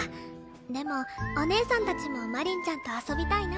でもお姉さんたちもマリンちゃんと遊びたいな。